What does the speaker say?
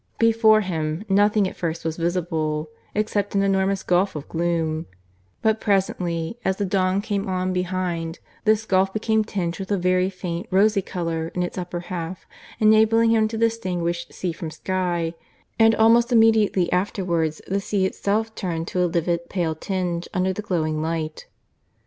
Before him nothing at first was visible except an enormous gulf of gloom, but presently, as the dawn came on behind, this gulf became tinged with a very faint rosy colour in its upper half, enabling him to distinguish sea from sky, and almost immediately afterwards the sea itself turned to a livid pale tinge under the glowing light.